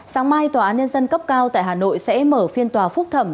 sáng mai tòa án nhân dân cấp cao tại hà nội sẽ mở phiên tòa phúc thẩm